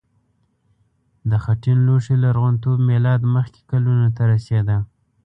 د خټین لوښي لرغونتوب میلاد مخکې کلونو ته رسیده.